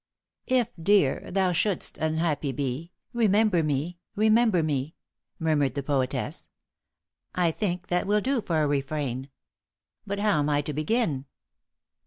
"If, dear, thou should'st unhappy be, Remember me, Remember me!" murmured the poetess. "I think that will do for a refrain. But how am I to begin?